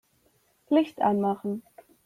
Licht anmachen.